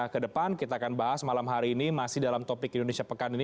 kedepan kita akan bahas malam hari ini masih dalam topik indonesia pekan ini